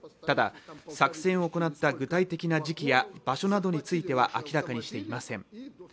ただ、作戦を行った具体的な時期や場所などについては明らかにしていません。